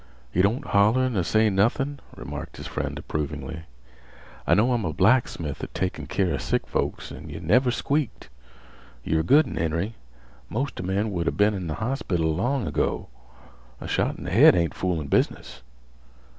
"Yeh don't holler ner say nothin'," remarked his friend approvingly. "I know I'm a blacksmith at takin' keer 'a sick folks, an' yeh never squeaked. Yer a good un, Henry. Most 'a men would a' been in th' hospital long ago. A shot in th' head ain't foolin' business."